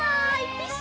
ピシ！